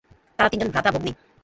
তাঁরা তিনজন ভ্রাতা-ভগ্নী।